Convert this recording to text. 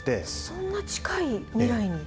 そんな近い未来に？